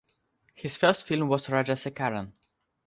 His first film was Rajasekaran.